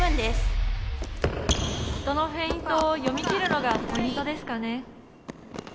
音のフェイントを読み切るのがポイントですかね。